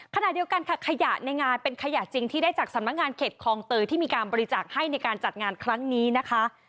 ขณะเดียวกันค่ะขยะในงานเป็นขยะจริงที่ได้จากสำนักงานเขตคลองเตยที่มีการบริจาคให้ในการจัดงานครั้งนี้นะคะ